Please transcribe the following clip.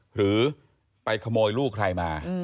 หรือไปขโมยลูกใครมา